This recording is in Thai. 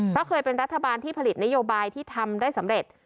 เพราะเคยเป็นรัฐบาลที่ผลิตนโยบายที่ทำได้สำเร็จ